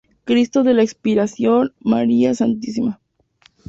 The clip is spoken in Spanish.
Cristo de la Expiración, María Stma.